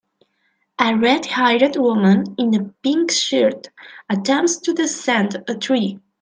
A redhaired woman in a pink shirt attempts to descend a tree.